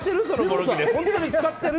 本当に使ってる？